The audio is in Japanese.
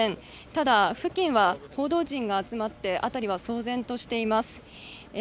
ただ、付近は報道陣が集まって辺りは騒然としています。